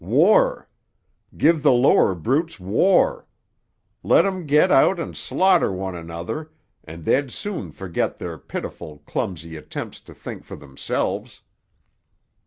War! Give the lower brutes war; let 'em get out and slaughter one another, and they'd soon forget their pitiful, clumsy attempts to think for themselves.